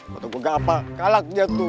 kok nunggu gapa kalak jatuh